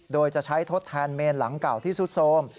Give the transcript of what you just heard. โดยจะใช้ทดแทนเมนหลังเก่าที่สุดโทรม